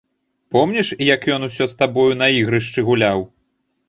Помніш, як ён усё з табою на ігрышчы гуляў?